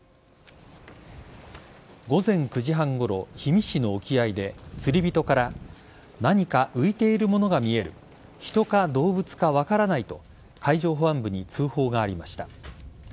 午前９時半ごろ氷見市の沖合で釣り人から何か浮いているものが見える人が動物か分からないと海上保安部に通報がありました。